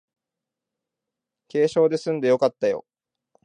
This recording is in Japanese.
軽傷ですんでよかったよ